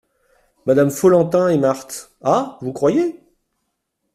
Madame Follentin et Marthe. — Ah ! vous croyez ?